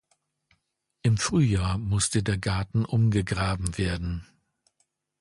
Im Frühjahr musste der Garten umgegraben werden.